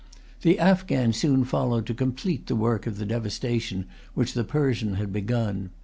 The Afghan soon followed to complete the work of the devastation which the Persian had begun.